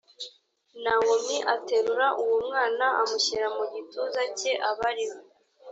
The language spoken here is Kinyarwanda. nawomi aterura uwo mwana amushyira mu gituza cye aba ari we